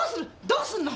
どうすんの？